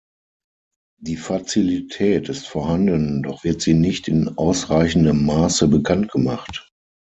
Die Fazilität ist vorhanden, doch wird sie nicht in ausreichendem Maße bekanntgemacht.